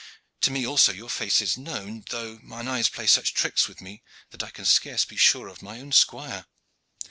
To me also your face is known, though mine eyes play such tricks with me that I can scarce be sure of my own squire.